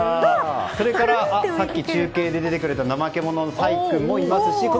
それからさっき中継で出てくれたナマケモノのサイ君もいますし。